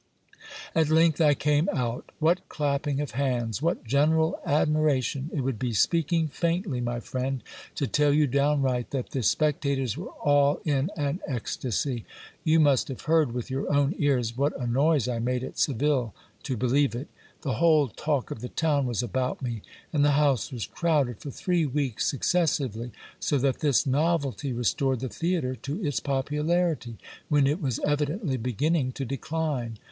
At length I came out. What clapping of hands ! what general admiration ! It would be speaking faintly, my friend, to tell you downright that the specta tors were all in an ecstacy. You must have heard with your own ears what a noise I made at Seville, to believe it. The whole talk of the town was about me, and the house was crowded for three weeks successively; so that this novelty restored the theatre to its popularity, when it was evidently beginning to decline.